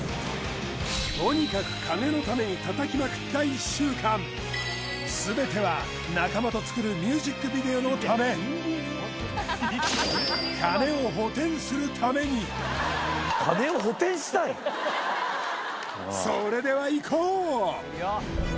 とにかく金のために叩きまくった１週間全ては仲間と作るミュージックビデオのため金を補填するためにそれではいこう！